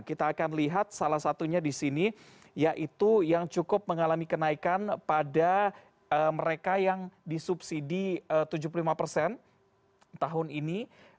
kita akan lihat salah satunya di sini yaitu yang cukup mengalami kenaikan pada mereka yang disubsidi tujuh puluh lima persen tahun ini